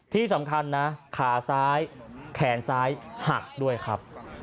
ที่สำคัญนะขาซ้ายแขนซ้ายหักด้วยครับ